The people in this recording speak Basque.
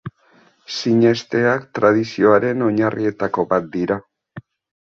Sinesteak tradizioaren oinarrietako bat dira.